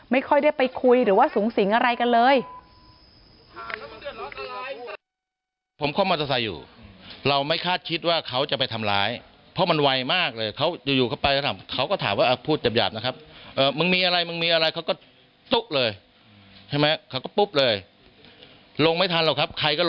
ไม่ค่อยได้ไปคุยหรือว่าสูงสิงอะไรกันเลย